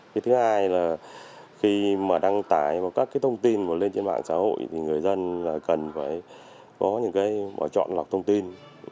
thứ hai là khi đăng tải các thông tin lên trên mạng xã hội thì người dân cần phải có những cái bỏ chọn lọc thông tin